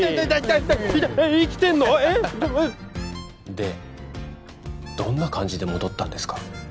でどんな感じで戻ったんですか？